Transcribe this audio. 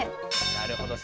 なるほど。